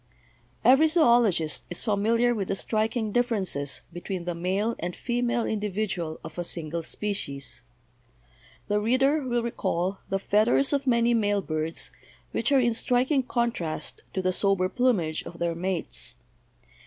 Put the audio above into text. Every zoologist is familiar with the striking differences between the male and female individual of a single spe cies. The reader will recall the feathers of many male birds which are in striking contrast to the sober plumage of their mates.